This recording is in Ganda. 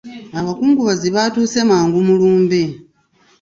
Abakungubazi baatuuse mangu mu lumbe.